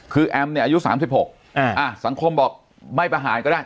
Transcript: คือแอมเนี่ยอายุ๓๖สังคมบอกไม่ประหารก็ได้